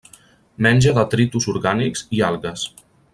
Menja detritus orgànics i algues.